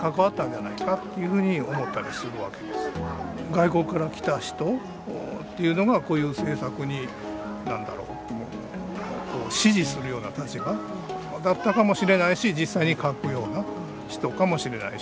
外国から来た人というのがこういう制作になんだろう指示するような立場だったかもしれないし実際に描くような人かもしれないし